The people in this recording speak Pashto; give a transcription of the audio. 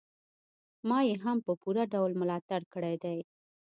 ما يې هم په پوره ډول ملاتړ کړی دی.